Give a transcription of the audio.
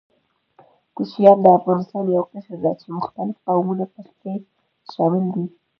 کوچيان د افغانستان يو قشر ده، چې مختلف قومونه پکښې شامل دي.